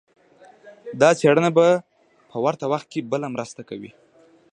دا څېړنه په ورته وخت کې بله مرسته کوي.